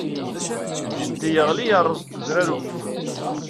Jeddi yeɣli yeṛṛez deg udrar ufud.